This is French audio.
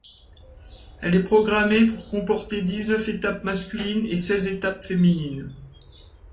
Elle est programmée pour comporter dix-neuf étapes masculines et seize étapes féminines.